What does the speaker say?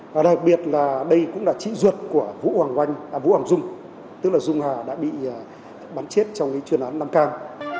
và đặc biệt là đây cũng là trí duyệt của vũ hoàng oanh à vũ hoàng dung tức là dung hà đã bị bắn chết trong cái chuyên án nam cang